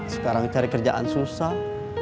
sekarang cari kerjaan susah